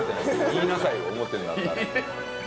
言いなさいよ思ってるんだったら。